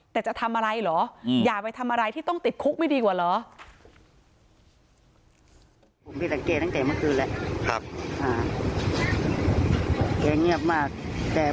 แต่จะทำอะไรเหรออย่าไปทำอะไรที่ต้องติดคุกไม่ดีกว่าเหรอ